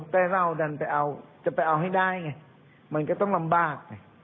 แต่เราดันไปเอาจะไปเอาให้ได้ไงมันก็ต้องลำบากไง